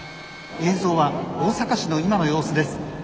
映像は大阪市の今の様子です。